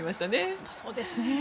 本当にそうですね。